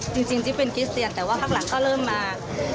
จริงจิ๊บเป็นคริสเตียนแต่ว่าพักหลังก็เริ่มมา